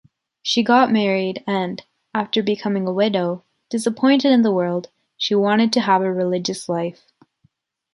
She got married and, after becoming a widow, disappointed in the world, she wanted to have a religious life.